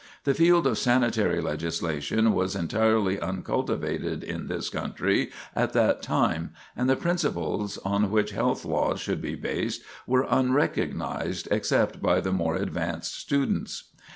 The field of sanitary legislation was entirely uncultivated in this country at that time, and the principles on which health laws should be based were unrecognized, except by the more advanced students.